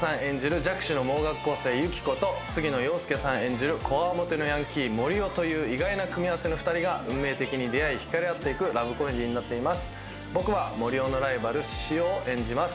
弱視の盲学校生・ユキコと杉野遥亮さん演じる強面のヤンキー・森生という意外な組み合わせの２人が運命的に出会い、惹かれあっていくラブコメディーになっています。